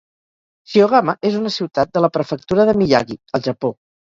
Shiogama és una ciutat de la prefectura de Miyagi, al Japó.